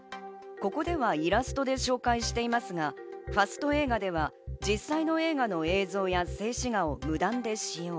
ここではイラストで紹介していますが、ファスト映画では実際の映画の映像や静止画を無断で使用。